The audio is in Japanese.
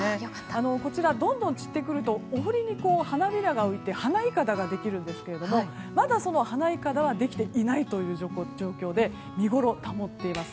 こちら、どんどん散ってくるとお堀に花びらが浮いて花いかだができるんですがまだその花いかだはできていない状況で見ごろを保っています。